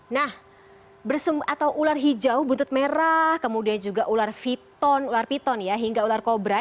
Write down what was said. nah ular hijau buntut merah kemudian juga ular piton ular piton ya hingga ular kobra